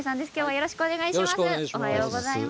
よろしくお願いします。